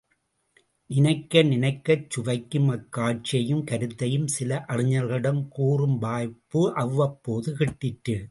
நினைக்க நினைக்கச் சுவைக்கும் அக்காட்சியையும் கருத்தையும் சில அறிஞர்களிடம் கூறும் வாய்ப்பு அவ்வப்போது கிட்டிற்று.